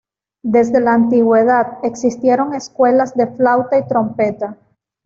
Desde la antigüedad existieron escuelas de flauta y trompeta.